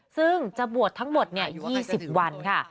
ซึ่งจะบวชทั้งหมด๒๐วันค่ะ